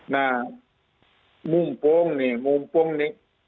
nah mumpung nih mumpung nih